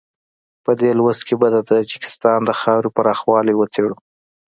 په دې لوست کې به د تاجکستان د خاورې پراخوالی وڅېړو.